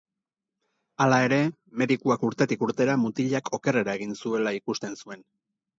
Hala ere, medikuak urtetik urtera mutilak okerrera egin zuela ikusten zuen.